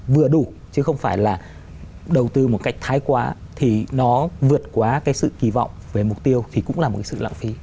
vừa đủ chứ không phải là đầu tư một cách thái quá thì nó vượt quá cái sự kỳ vọng về mục tiêu thì cũng là một cái sự lãng phí